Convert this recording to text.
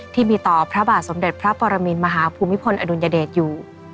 ที่มีต่อพระบาทสมเด็จพระปรมินมหาภูมิพลอดุลยเดชอยู่